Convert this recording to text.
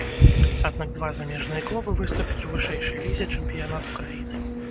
Аднак два замежныя клубы выступяць у вышэйшай лізе чэмпіянату краіны.